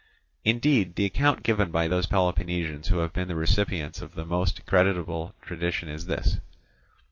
Indeed, the account given by those Peloponnesians who have been the recipients of the most credible tradition is this.